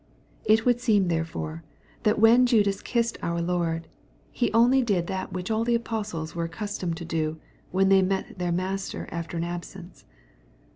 (It would seem therefore, that when Judas kissed our Lord, he only did that which all the apostles were accustomed to do, when they met their Master after an absence.